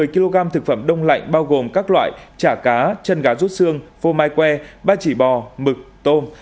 hai trăm một mươi kg thực phẩm đông lạnh bao gồm các loại chả cá chân gá rút xương phô mai que ba chỉ bò mực tôm